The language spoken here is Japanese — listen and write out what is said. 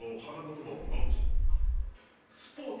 「スポーツ」